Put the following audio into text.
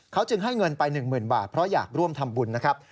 เขาจึงให้เงินไป๑๐๐๐บาทเพราะอยากร่วมทำบุญนะครับ